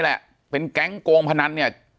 ปากกับภาคภูมิ